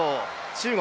中国